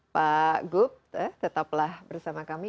pak gup tetaplah bersama kami